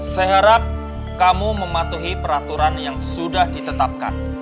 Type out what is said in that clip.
saya harap kamu mematuhi peraturan yang sudah ditetapkan